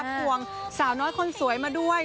ควงสาวน้อยคนสวยมาด้วย